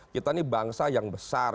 kita ini bangsa yang besar